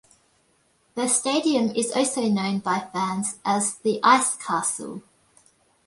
The stadium is also known by fans as the "Ice Castle".